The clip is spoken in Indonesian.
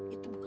itu bukan gada